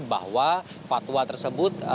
bahwa fatwa tersebut